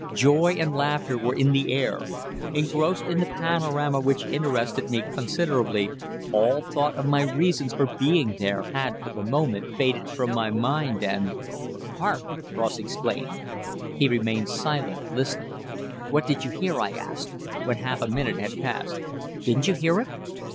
Joy and laughter were in the air. Engrossed in the panorama which interested me considerably, all thought of my reasons for being there had for the moment faded from my mind, and " "Hark!" Ross exclaimed. He remained silent, listening. "What did you hear?" I asked, when half a minute had passed. "Didn't you hear it?"